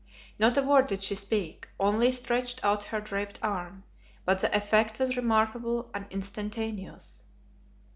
Not a word did she speak, only stretched out her draped arm, but the effect was remarkable and instantaneous.